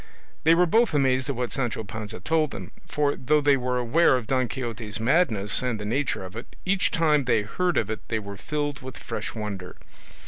They were both amazed at what Sancho Panza told them; for though they were aware of Don Quixote's madness and the nature of it, each time they heard of it they were filled with fresh wonder.